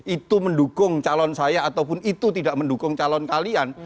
itu mendukung calon saya ataupun itu tidak mendukung calon kalian